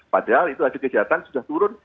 padahal itu hasil kejahatan sudah turun